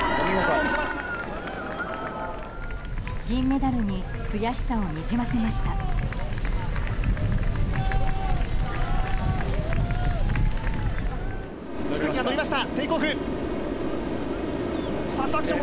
銀メダルに悔しさをにじませました。